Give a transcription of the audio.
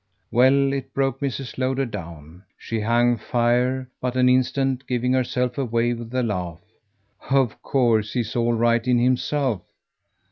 Well, it broke Mrs. Lowder down. She hung fire but an instant, giving herself away with a laugh. "Of course he's all right in himself."